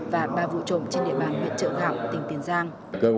và ba vụ trộm trên địa bàn huyện trợ gạo tỉnh tiền giang